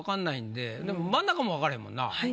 でも真ん中もわかれへんもんな。